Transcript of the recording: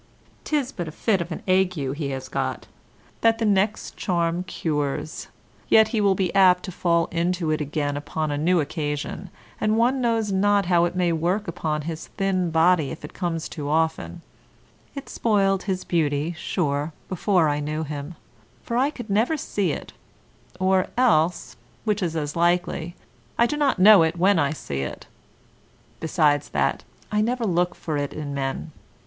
'Tis but a fit of an ague he has got, that the next charm cures, yet he will be apt to fall into it again upon a new occasion, and one knows not how it may work upon his thin body if it comes too often; it spoiled his beauty, sure, before I knew him, for I could never see it, or else (which is as likely) I do not know it when I see it; besides that, I never look for it in men.